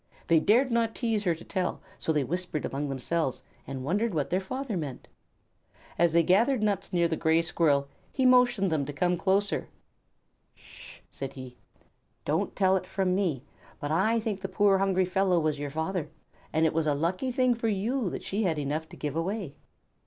They dared not tease her to tell, so they whispered among themselves and wondered what their father meant. As they gathered nuts near the Gray Squirrel, he motioned them to come close. "S sh!" said he. "Don't tell it from me, but I think the poor hungry fellow was your father, and it was a lucky thing for you that she had enough to give away."